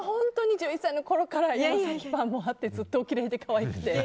１１歳のころから可愛らしくてずっとおきれいで、可愛くて。